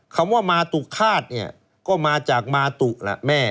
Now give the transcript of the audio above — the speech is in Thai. คำว่ามาตุฆาตเนี่ยก็มาจากมาตุล่ะแม่